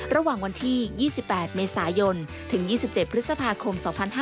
ระหว่างวันที่๒๘เมษายนถึง๒๗พฤษภาคม๒๕๕๙